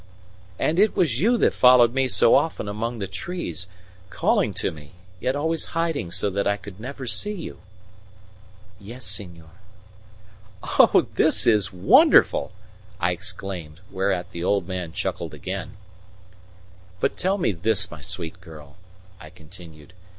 "And it was you that followed me so often among the trees, calling to me, yet always hiding so that I could never see you?" "Yes, senor." "Oh, this is wonderful!" I exclaimed; whereat the old man chuckled again. "But tell me this, my sweet girl," I continued.